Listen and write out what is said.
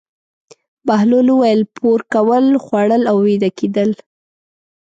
بهلول وویل: پور کول، خوړل او ویده کېدل.